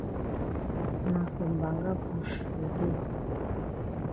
Na for mbanga bush we dey.